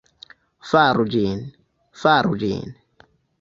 Faru ĝin. Faru ĝin.